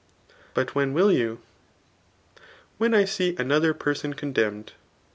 But when will you i When I see another person condemned.